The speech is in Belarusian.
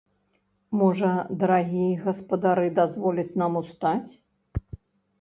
Можа, дарагія гаспадары дазволяць нам устаць?